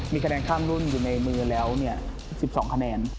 มีคะแนนข้ามรุ่นอยู่ในมือแล้ว๑๒คะแนน